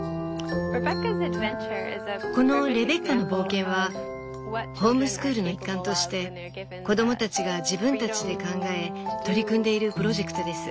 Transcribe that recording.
この「レベッカの冒険」はホームスクールの一環として子供たちが自分たちで考え取り組んでいるプロジェクトです。